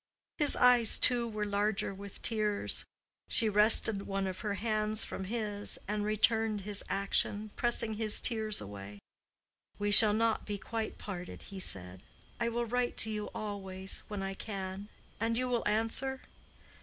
His eyes too were larger with tears. She wrested one of her hands from his, and returned his action, pressing his tears away. "We shall not be quite parted," he said. "I will write to you always, when I can, and you will answer?"